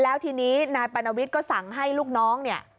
แล้วทีนี้นายปรณวิทย์ก็สั่งให้ลูกน้องเนี่ย